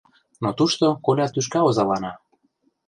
Но тушто коля тӱшка озалана.